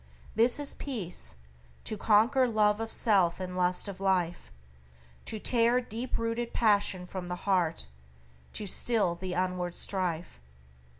"This is peace, To conquer love of self and lust of life, To tear deep rooted passion from the heart To still the inward strife."